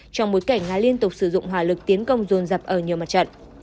trong một cảnh nga liên tục sử dụng hỏa lực tiến công dồn dập ở nhiều mặt trận